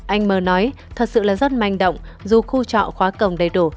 anh mer nói thật sự là rất manh động dù khu trọ khóa cổng đầy đủ